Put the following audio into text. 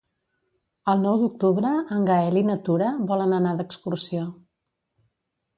El nou d'octubre en Gaël i na Tura volen anar d'excursió.